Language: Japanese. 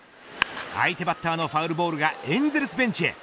相手バッターのファウルボールがエンゼルスベンチへ。